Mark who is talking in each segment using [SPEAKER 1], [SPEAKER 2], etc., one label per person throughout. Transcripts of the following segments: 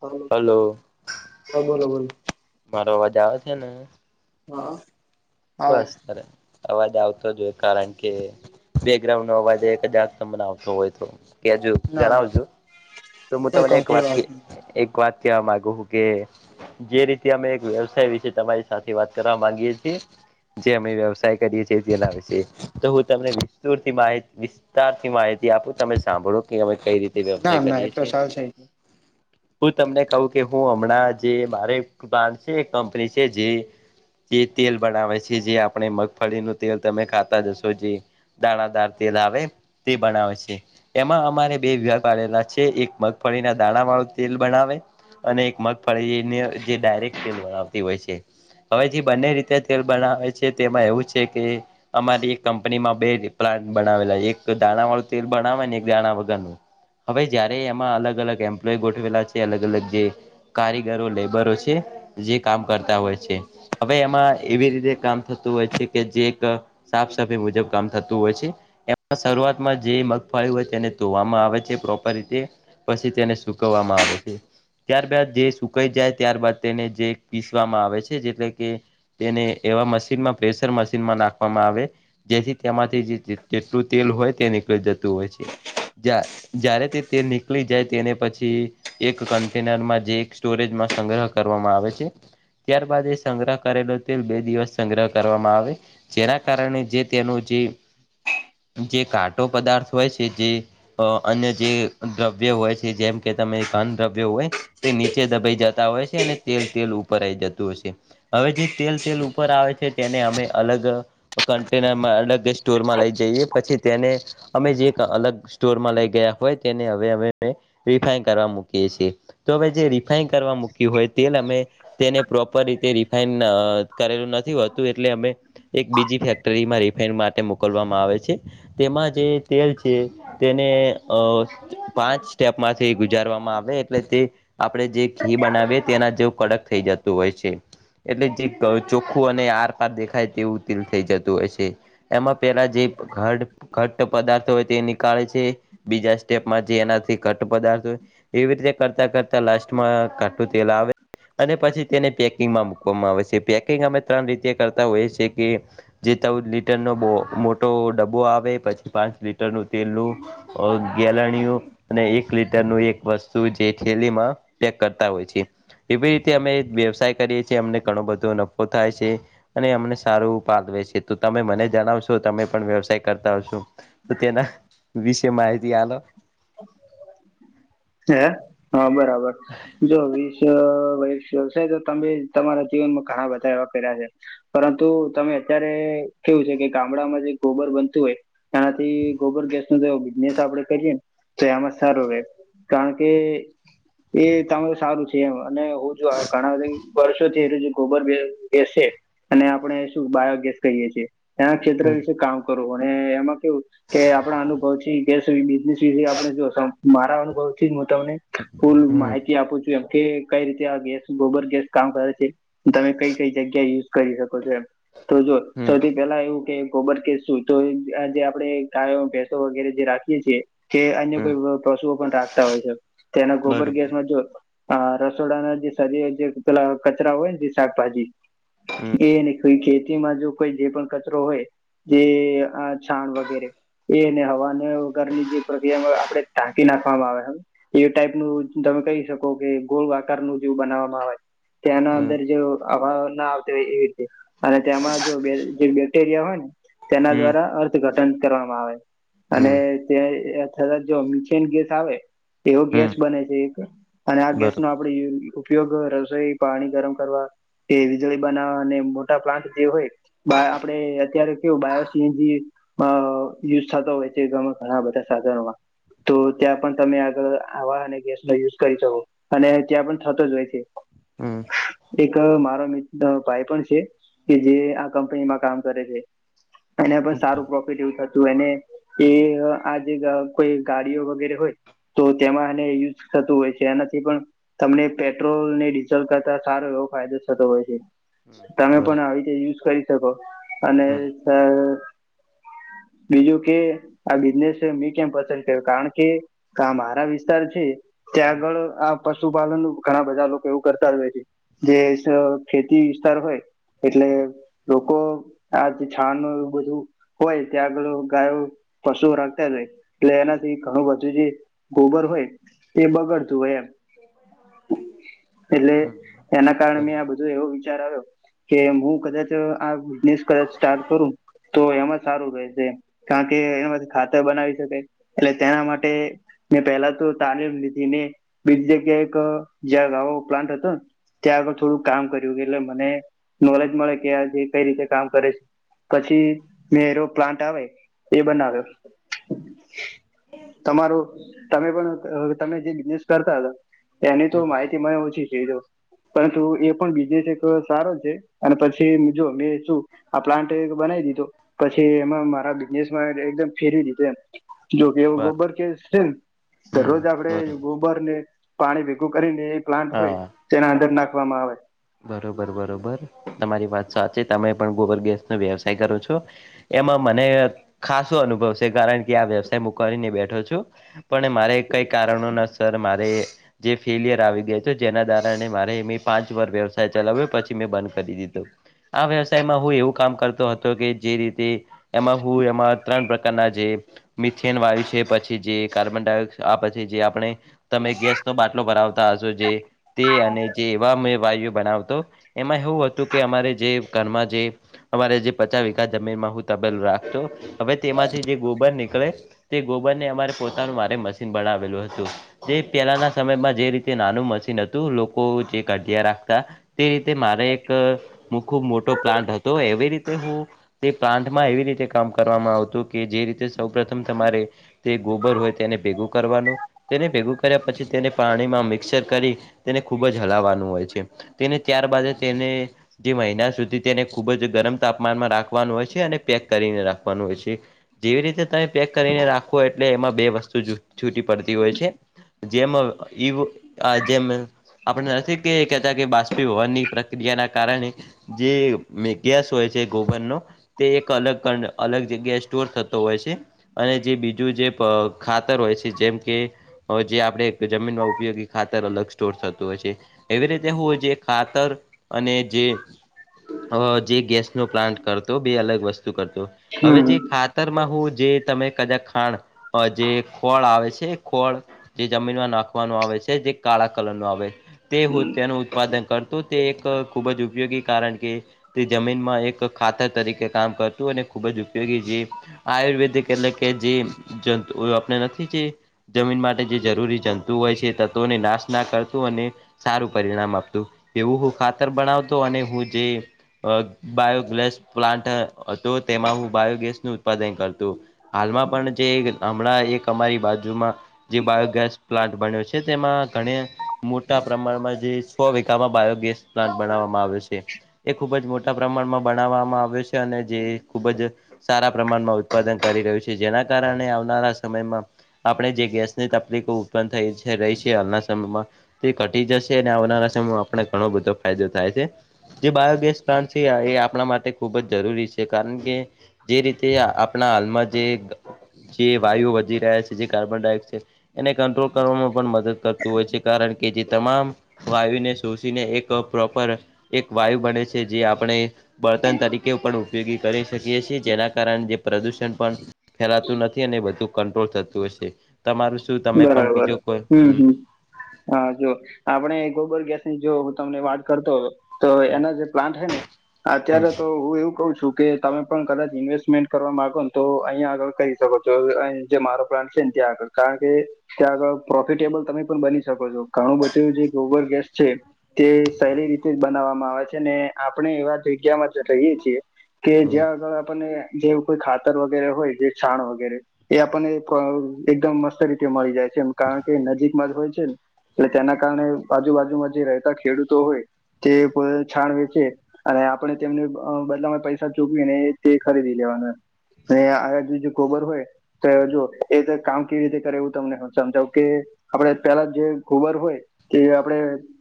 [SPEAKER 1] હ
[SPEAKER 2] હલો
[SPEAKER 1] હા બોલો બોલો
[SPEAKER 2] મારો અવાજ આવે છે ને?
[SPEAKER 1] હા આવે
[SPEAKER 2] બસ અ અવાજ આવતો જ હોય કારણ કે બેગ્રાઉન્ડ નો અવાજ કદાચ તમને આવતો હોય તો- જુ
[SPEAKER 1] ના
[SPEAKER 2] જણાવ
[SPEAKER 1] ના
[SPEAKER 2] છું તો હું
[SPEAKER 1] કોઈ
[SPEAKER 2] તમને એક
[SPEAKER 1] કંકોડો
[SPEAKER 2] વાત ક
[SPEAKER 1] આવતું નથી
[SPEAKER 2] એક- વા ક્યા માગુહ કે- જે રીતે અમે એક વ્યવસાય વિશે તમારી સાથે વાત કરવા માંગીએ છીએ- જે અમે વ્યવસાય કરીએ છીએ તે લાવશે તો હું તમને વિસ્તુર થી મા- તારથી માહિતી આપો તમે સાંભળો કેમે કઈ રીતે-
[SPEAKER 1] ના
[SPEAKER 2] વ્યવસાય
[SPEAKER 1] ના
[SPEAKER 2] કરીએ
[SPEAKER 1] એટલો
[SPEAKER 2] છીએ
[SPEAKER 1] સાર છે.
[SPEAKER 2] હું તમને કહું કે હું હમણાં જે મારે બ્રાડ છે કંપની છે. જે- જે તેલ બનાવે છે જે આપણે મગફળીનુંું તેલ તમે ખાતા જશો જે- દાણાદાર તેલ આવે તે બનાવે છે. એમાં અમારે બે વિભાગ પાડેલા છે એક મગફળી ના દાણા વાળું તેલ બનાવે- અને એક મગફળીને જે ડાયરેક્ટ તેલ બનાવતી હોય છે હવે જે બંને રીતે તેલ- બનાવે છે તેમાં એવું છે કે- અમારી એક કંપનીમાં બે પ્લાન્ટ બનાવેલા એક દાણા વાળું તેલ બનાવેને એક દાણા વગર નું- હવે જયારે એમાં અલગ અલગ એમ્પ્લોય ગોઠવેલા છે અલગ અલગ જે- કારીગરો લેબરો છે જે કામ કરતા હોય છે હવે એમાં- એવી રીતે કામ થતું હોય છે કે જે એક સાફ સફાઈ મુજબ કામ થતું હોય છે. એમાં શરૂઆતમાં જે મગફાળી હોય છે તેને ધોવામાં આવે છે પ્રોપર રીતે- પછી તેને સુકવવામાં આવે છે. ત્યારબાદ જે સુકાઈ જાય ત્યારબદ તેને જે પીસવામાં આવે છે જેટલે કે તેને એવા મશીનમાં પ્રેશર મશીનમાં નાખવામાં આવે. જેથી તેમાંથી જે જેટલું તેલ હોય તે નીકળી જતું હોય છે. જ જ્યારે તે તે નીકળી જાય તેને પછી. એક કન્ટેનરમાં જે એક સ્ટોરેજમાં સંગ્રહ કરવામાં આવે છે. ત્યારબાદ એ સંગ્રહ કરેલો- તેલ બે દિવસ સંગ્રહ કરવામાં આવે જેના કારણે જે તેનું જે- જે કાટો પદાર્થ હોય છે જે- અ અન્ય જે દ્રવ્ય હોય છે જેમ કે તમે ઘન દ્રવ્ય હોય તે નીચે દબાઈ જતા હોય છે અને તેલ તેલ ઉપરઈ જતું હોય છે હવે જે તેલ તેલ ઉપર આવે છે તેને અમે અલગ કન્ટેનરમાં અલગ સ્ટોરમાં લઈ જઈએ પછી તેને. અમે જે અલગ સ્ટોરમાં લઈ ગયા હોય તેને હવે અમે રિફાઈન કરવા મૂકીએ છીએ- તો હવે જે રિફાઈન કરવા મૂક્યું હોય તેલ અમે તેને પ્રોપર રીતે રિફાઈન- કરેલું નથી હોતું એટલે અમે- એક બીજી ફેક્ટરીમાં રિફાઈન માટે મોકલવામાં આવે છે તેમાં જે તેલ છે. તેને અ પાંચ સ્ટેપમાંથી ગુજારવામાં આવે એટલે તે આપણે જે ઘી બનાવીએ તેના જેવું કડક થઈ જતું હોય છે એટલે જે ચોખ્ખું અને આરપાર દેખાય તેવું તેલ થઇ જતું હોય છે એમાં પેલા જે ઘટ્ટ પદાર્થો હોય તે નીકળે છે બીજા સ્ટેપમાં જે એનાથી ઘટ્ટ પદાર્થ હોય એવી રીતે કરતા કરતા લાસ્ટમાં ધાટુ તેલ આવે અને પછી તેને પેકિંગમાં મુક મૂકવામાં આવે છે પેકિંગ અમે ત્રણ રીતે કરતા હોઈએ છે કે જે ચૌદ લીટરનો બો મોટો ડબ્બો આવે પછી પાંચ લીટર લટ નું તેલનું ગેલાણીયું અને એક લીટર નું એક વસ્તુ જે થેલીમાં પેક કરતા હોય છે કે ભઈ તે અમે એક વ્યવસાય કરીએ છએ છે અમને ઘણો બધો નફો થાય છે અને અમને સારું પાગ વેસિયે છે તો તમે મને જણાવશો તમે પણ વ્યવસાય કરતા હશો તો તેના વિશે માહિતી આાલો
[SPEAKER 1] હે હા બરાબર જો વીસ વસ વ્યવસાય તો તમે તમારા જીવનમાં ઘણા બધા એવા કર્યા છે પરંતુ તમે અત્યારે કેવું છે કે ગામડામાં જે ગોબર બનતું હોય તાથી ગોબર ગેસ નુ જો બિઝનેસ આપડે કરીએ ને તો એમાં સારો રે કારણ કે એ તમાર સારું છે એમ અને ઓ જો ઘણા બધા વર્ષોથી એ જે ગોબર ગેસ છે અને આપણે શું બાયોગેસ કહીએ છીએ એના ક્ષેત્ર
[SPEAKER 2] હમ
[SPEAKER 1] વિશે કામ કરું અને એમાં કેવું કે આપણા અનુભવ થી ગેસ બિઝનેસ વિશે આપણે જો મારા અનુભવ હું તમને ફૂલ
[SPEAKER 2] હમ
[SPEAKER 1] માહિતી આપું છું એમ કે કઈ રીતે આ ગેસ ગોબર ગેસ કામ કરે છે તમે કઈ કઈ જગ્યા યુઝ કરી શકો છો એમ તો
[SPEAKER 2] હમ
[SPEAKER 1] સો થી પેલા એવું કે ગોબર ગેસ કે શું તો આ જે આપડે ગવમાં ભેસો વગેરે જે રાખીએ છીએ કે અન્ય
[SPEAKER 2] હમ
[SPEAKER 1] કોઈ પશુઓ પણ રાખતા હોય છે તેના ગોબર
[SPEAKER 2] બરોબર
[SPEAKER 1] ગેસમાં જો આ રસોડાના જેરી જે પેલા કચરા હોય ને જે શાકભાજી
[SPEAKER 2] હમ
[SPEAKER 1] એની કોઈ ખેતીમાં જો કોઈ જે પણ કચરો હોય જે છાણ અ વગેરે એ અને હવા [unintelligible] ની જે પ્રક્રિયામાં આપડે ટાંકી નાખવામાં આવે એ ટાઈપ નું તમે કહી શકો કે ગોળ આકાર નુ જેવું બનાવવામાં આવે તેના
[SPEAKER 2] હમ
[SPEAKER 1] અંદર જે અ હવા આવતો હોય એવી રીતે અને તેમાં જો જે બેક્ટેરિયા હોય ને તેના
[SPEAKER 2] હમ
[SPEAKER 1] દ્વારા ઘટન કરવામાં આવે અને
[SPEAKER 2] હમ
[SPEAKER 1] ત થ જો મીથેન ગેસ આવે તેવો
[SPEAKER 2] હમ
[SPEAKER 1] ગેસ બને છે એક અને આ ગેસ
[SPEAKER 2] બરોબર
[SPEAKER 1] નો આપડે યુઝ ઉપયોગ રસોઈ પાણી ગરમ કરવા કે વીજળી બનાવવા અને મોટા પ્લાન્ટ જે હોય બ આપડે અત્યારે કેવું બાયો સીએનજી અ યુઝ થતો હોય છે ગ ઘણા બધા સાધનોમાં તો ત્યાં પણ તમે આગળ હવા અને ગેસ નો યુઝ કરી શકો અને ત્યાં પણ થતો જ હોય છે
[SPEAKER 2] હમ
[SPEAKER 1] એક મારો મિત્ર ભાઈબંધ છે કે જે આ કંપનીમાં કામ કરે છે એને પણ સારું પ્રોફિટ એવું થતું એને એ આજે કોઈ ગાડીઓ વગેરે હોય તો તેમાં એને યુઝ થતું હોય છે એનાથી પણ તમને પેટ્રોલ ને ડીઝલ કરતા સારો એવો ફાયદો થતો હોય છે.
[SPEAKER 2] હમ
[SPEAKER 1] તમે પણ
[SPEAKER 2] બરોબર
[SPEAKER 1] આવી રીતે યુઝ કરી શકો અને
[SPEAKER 2] હમ
[SPEAKER 1] સ બીજું કે આ બિઝનેસ મેં કેમ પસંદ કર્યો કારણ કે કા મારા વિસ્તાર છે ત્યાં
[SPEAKER 2] હમ
[SPEAKER 1] આગળ આ પશુપાલન ઘણા બધા લોકો એવું કરતા જ હોય છે. જે જ ખેતી વિસ્તાર હોય એટલે
[SPEAKER 2] હમ
[SPEAKER 1] લોકો આજ છાણ ન એવું બધું હોય ત્યાં આગળ ગાયો પશુ રાખતા જ હોય એટલે એનાથી ઘણું બધું જે ગોબર હોય એ બગાડતું હોય એમ.
[SPEAKER 2] [unintelligible]
[SPEAKER 1] એટલે
[SPEAKER 2] હમ
[SPEAKER 1] એના કારણે
[SPEAKER 2] હમ
[SPEAKER 1] મેં આ બધો એવો વિચાર આવ્યો કે હું કદાચ આ બિઝનેસ કદાચ સ્ટાર્ટ કરું તો એમાં સારું રહેશે કારણ કે એનામાંથી ખાતર બનાવી શકાય એટલે તેના માટે ને પહેલા તો તાને લીધી ને બીજી જગ્યાએ એક જ્યા નવો પ્લાન્ટ હતો ન ત્યાં આગળ થોડું કામ કર્યું એટલે મને નોલેજ મળે કે આ જે કઈ રીતે કામ કરે છે પછી મેરો પ્લાન્ટ આવે એ બનાવ્યો. તમારો તમે પણ અ તમે જે બિઝનેસ કરતા હતા એની તો માહિતી મને ઓછી થઈજો. પરંતુ એ પણ બીઝનેશ છે કે સારો છે અને પછી જો મેમે શું આ પ્લાન્ટ એક બનાવી દીધો પછી એમાં મારા બિઝનેસમાં એકદમ ફેરવી દીધું એમ. જોકે એવું
[SPEAKER 2] બર
[SPEAKER 1] ગોબર કે છે ન
[SPEAKER 2] હમ
[SPEAKER 1] દરરોજ આપડે
[SPEAKER 2] બરોબર
[SPEAKER 1] ગોબ બર ને પાણી ભેગું કરીને એ પ્લાન્ટ હોય
[SPEAKER 2] હા
[SPEAKER 1] તેના અંદર નાખવામાં આવે.
[SPEAKER 2] બરોબર બરોબર તમારી વાત સાચી તમે પણ ગોબર ગેસ નો વ્યવસાય કરો છો. એમાં મને ખાસો અનુભવ છે કારણ કે આ વ્યવસાય મૂ કરીને બેઠો છું. પણ મારે કઈક કારણો ના સર મારે જે ફેલિયર આવી ગયા છે જેના દારણે મારે એ મે પાંચ વર વ્યવસ મે ચલાવ્યો પછી મેં બંધ કરી દીધો. આ વ્યવસાયમાં હું એવું કામ કરતો હતો કે જે રીતે એમાં હું એમાં ત્રણ પ્રકારના જે મિથેન વાયુ છે પછી જે કાર્બન ડાયોક્સ આ પછી જે આપણે તમે ગેસ તો બાટલો ભરાવતા હશો જે તે અને જે એવા મે વાયુ વતો એમાં હેવું હતું કે અમારે જે ઘરમાં જે અમારે જે પચા વીઘા જમીનમાં હું તબેલ રાખતો હવે તેમાંથી જે ગોબર નીકળે તે ગોબરને અમારે પોતાનું મારે મશીન બનાવેલું હતું. જે પેલાના સમયમાં જે રીતે નાનું મશીન હતું લોકો જે કઢીયારા તા તે રીતે મારે એકમૂ ખૂબ મોટો પ્લાન્ટ હતો એવી રીતે હું તે પ્લાન્ટમાં એવી રીતે કામ કરવામાં આવતું કે જે રીતે સૌ પ્રથમ તમારે તે ગોબર હોય તેને ભેગું કરવાનું તેને ભેગું કર્યા પછી તેને પાણીમાં મિક્સર કરી તેને ખુબ જ હલાવવાનું હોય છે. તેને ત્યારબાદ જ તેને જે મહિના સુધી તેને ખુબ જ ગરમ તાપમાનમાં રાખવાનું હોય છે અને પેક કરીને રાખવાનું હોય છે. જેવી રીતે તમે પેક કરીને રાખો એટલે એમાં બે વસ્તુ જુ છૂટી પડતી હોય છે. જેમ ઇવ આ જેમે આપણ ને નથી કે કે તા કે બાષ્પી હોવાનની પ્રક્રિયાના કારણે જે મે ગેસ હોય છે ગોબરનો તે એક અલગ કન અલગ જગ્યાએ સ્ટોર થતો હોય છે અને જે બીજું જે પ ખાતર હોય છે જેમ કે હવે જે આપણેે જમીનમાં ઉપયોગી ખાતર અલગ સ્ટોર થતું હોય છે એવી રીત હોય જે ખાતર અને જે હવ જે ગેસ નો પ્લાન્ટ કરતો બે અલગ વસ્તુ કરતો હવે જે
[SPEAKER 1] હમ
[SPEAKER 2] ખાતરમાં હું જે તમે કદાચ ખાણ જે ફળ આવે છે ખળ જે જમીનમાં નાખવાનું આવે છે જે કાળા કલર નું આવે તે તેનું ઉત્પાદન કરતો તે એક ખૂબ જ ઉપયોગી કારણ કે તે જમીનમાં એક ખાતર તરીકે કામ કરતું અને ખુબ જ ઉપયોગી જે આયુર્વેદિક એટલે કે જે જંતુ આપણે નથી જે જમીન માટે જે જરૂરી જંતુ હોય છે તત્વોને નાશ ના કરતું અને સારું પરિણામ આપતું એવું હું ખાતર બનાવતો અને હું જે અ બાયોગેસ પ્લાન્ટ હતો તેમાં હું બાયોગેસ નું ઉત્પાદન કરતો. હાલમાં પણ જે હમણાં એક અમારી બાજુમાં જે બાયોગેસ પ્લાન્ટ બન્યો છે તેમાં ઘ મોટા પ્રમાણમાં જે સો વીઘામાં બાયો ગેસ પ્લાન્ટ બનાવવામાં આવ્યો છે એ ખૂબ જ મોટા પ્રમાણમાં બનાવવામાં આવ્યો છે અને જે ખુબ જ સારા પ્રમાણમાં ઉત્પાદન કરી રહ્યું છે જેના કારણે આવનારા સમયમાં આપણે જે ગેસની તકલીફો ઉત્પન્ન થઈ રહી છે હાલના સમયમાં તે ઘટી જશે આવના સમયમાં આપને ઘણો બધો ફાયદો થાય છે જે બાયોગેસ પ્લાન્ટ છે એ આપણા માટે ખૂબ જ જરૂરી છે કારણ કે જે રીતે આપણા હાલમાં જે જે વાયુ વધી રહ્યા છે જે કાર્બન ડાયોક્સાઇડ એને કંટ્રોલ કરવામાં પણ મદદ કરતું હોય છે કારણ કે જે તમામ વાયુને શોષીને એક પ્રોપર એક વાયુ બને છે જે આપણે બળતન તરીકે ઉપયોગી કરી શકી છીએ જેના કારણે જે પ્રદુષણ પણ ફેલાતું નથી અને વધુ કંટ્રોલ થતું હશે તમારું શું તમે પણ
[SPEAKER 1] બરાબર
[SPEAKER 2] બીજું કોઈ
[SPEAKER 1] હમ હમ હા જો આપણે ગોબર ગેસ ની જો હ તમને વાત કરતો હો તો
[SPEAKER 2] હમ
[SPEAKER 1] એના જે પ્લાન્ટ હૈ ને અત્યારે તો હું એવું કઉ છું કે તમે પણ કદાચ ઈન્વેસ્ટમેન્ટ કરવા માંગો ને તો અહીંયા આગળ કરી શકો છો અહીં જે મારો પ્લાન્ટ છે ત્યાં આળ કારણ કે કે ત્યાં આગળ પ્રોફિટેબલ તમે પણ બની શકો છો ઘણું બધું જે ગોબર ગેસ છે તે સહેલી રીતે જ બનાવવામાં આવે છે ને આપણે એવા જગ્યામાં જો રહીએ છીએ કે
[SPEAKER 2] હમ
[SPEAKER 1] જ્યાં આગળ આપણને જેવું કોઈ ખાતર વગેરે હોય જે છાણ વગેરે એ આપણને એકદમ મસ્ત રીતે મળી જાય છે એમ કારણ કે નજીકમાં જ હોય છે ને એટલે તેના કારણે આજુબાજુમાં જે રહેતા ખેડૂતો હોય તે છાણ વેચે અને આપણે તેમને બદલામાં પૈસા ચૂકવી ને તે ખરીદી લેવાનું અને આ જો ગોબર હોય તો જો એ કામ કેવી રીતે એવું તમને સમજાવ કે આપડે પેલા જે ગોબર હોય કે આપડે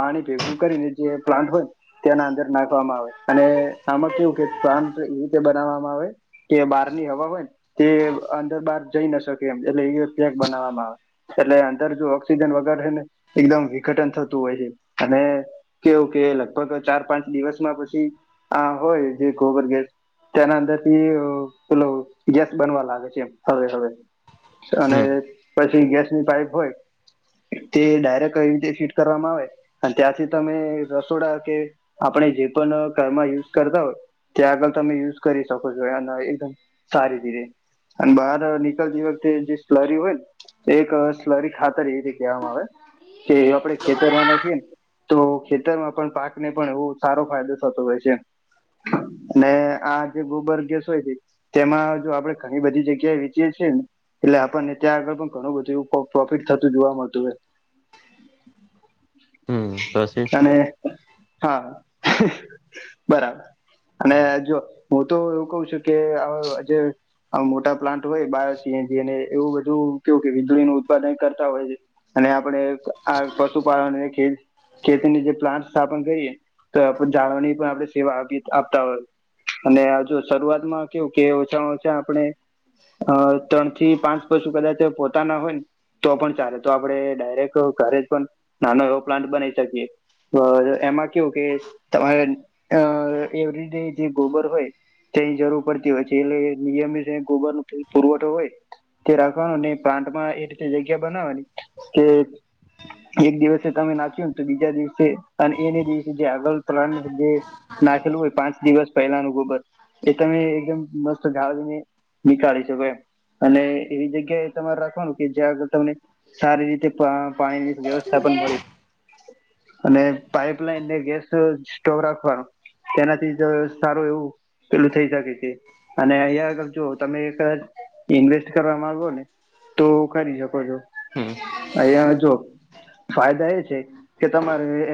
[SPEAKER 1] પાણી ભેગું કરીને જે પ્લાન્ટ હોયને તેના અંદર નાખવામાં આવે અને આમાં કેવું પ્લાન્ટ એવી રીતે બનાવવામાં આવે કે બહારની હવા હોય તે અંદર બહાર જઈ ન શકે એમ એટલે એેક બનાવા એટલે અંદર જો ઓક્સિજન વગરને એકદમ વિઘટન થતું હોય છે અને કેવું કે લગભગ ચાર પાંચ દિવસમાં પછી આ હોય જે ગોબર ગેસ તેના અંદર થી પેલ ગેસ બનવા લાગે છે એમ હળવે હવે અને
[SPEAKER 2] હમ
[SPEAKER 1] પછી ગેસની પાઈપ હોય તે ડાયરેક્ટ કઈ રીતે ફીટ કરવામાં આવે અને ત્યાંથી તમે રસોડા કે આપણે જે પણ ઘરમાં યુઝ કરતા હોય ત્યાં આગળ તમે યુઝ કરી શકો છો અને એકદમ સારી રીતે અને બહાર નિકળતી વ તે જે સ્લરી હોય એક સ્લરી ખાતર એવી કહેવામાં આવે કે આપડે ખેતરમાં નાખીએ ને તો ખેતરમાં પણ પાક ને પણ એવો સારો ફાયદો થતો હોય છે અને આ જે ગોબર ગેસ હોય છે તેમાં જો આપડે ઘણી બધી જગ્યાએ વીતીય છીએ ને એટલે આપણને ત્યાં આગળ પણ ઘણું બધું એવ પ્રોફિટ થતું જોવા મળતું હોય
[SPEAKER 2] હમ હમ
[SPEAKER 1] અને હા બરાબર અને
[SPEAKER 2] પછી
[SPEAKER 1] જો હું તો એવું ક છું કે જે આ મોટા પ્લાન્ટ હોય બાયો સીએનજી અને એવું બધું- કેવું કે વીજળી નું ઉત્પાદન કરતા હોય છે અને આપણે આ પશુપાલનને ખેત ખેતીની જે પ્લાન્ટ સ્થાપન કરીએ તો આપ જાળવાની પણ આપણે સેવા આપી આપતા હોય અને હ જો શરૂઆત માં કેવું કે ઓછામાં ઓછા આપણે અ ત્રણ થી પાંચ પશુ કદાચ પોતાના હોય ને- તો પણ ચાલે તો આપણે ડાયરેક્ટ ઘરે જ પણ નાનો એવો પ્લાન્ટ બનાવી શકીએ. એમાં કેવું કે તમારે અ એવરી ડે જે ગોબર હોય? તેની જરૂર પડતી હોય છે, એટલે નિયમિત ગોબર નો પુરવઠો હોય તે રાખવાનો ને- પ્લાન્ટમાં એ રીતે જગ્યા બનાવાની કે- એક દિવસે તમે નાખ્યો ને તો બીજા દિવસે અને એને દિવસે જે આગળ ત્રણ જે- નાખેલું હોય પાંચ દિવસ પહેલાનું ગોબર- એ તમે એકદમ મસ્ત ગાળીને નીકાળી શકો એમ અને એવી જગ્યાએ- તમારે રાખવાનું કે જ્યાં આગળ તમને સારી રીતે પ પાણીની વ્યવસ્થા પણ મળી રહે- અને પાઈપલાઇનને ગેસ સ્ટોવ રાખવાનો. તેનાથી જ સારું એવું પેલું થઈ શકે છે. અને અહીંયા આગળ જો તમે કદાચ ઇન્વેસ્ટ કરવા માંગો ને- તો કરી શકો છો.
[SPEAKER 2] હમ
[SPEAKER 1] અહિયાં જો ફાયદા એ છે કે તમારે-